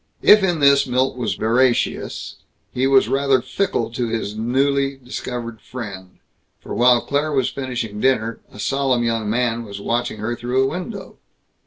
If in this Milt was veracious, he was rather fickle to his newly discovered friend; for while Claire was finishing dinner, a solemn young man was watching her through a window.